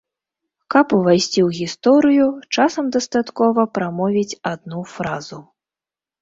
Каб увайсці ў гісторыю, часам дастаткова прамовіць адну фразу.